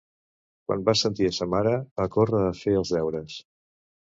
Quan va sentir a sa mare, va córrer a fer els deures